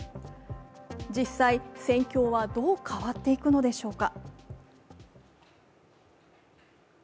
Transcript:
実際、戦況はどう変わっていくのでしょうか。